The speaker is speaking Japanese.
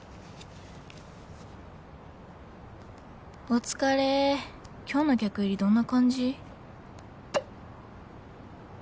「お疲れ今日の客入りどんな感じ？」。